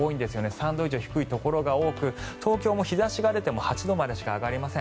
３度以上低いところが多く東京も日差しが出ても８度までしか上がりません。